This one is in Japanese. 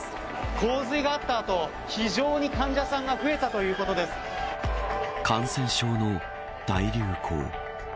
洪水があった後、非常に患者さんが感染症の大流行。